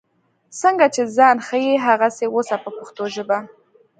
څنګه چې ځان ښیې هغسې اوسه په پښتو ژبه.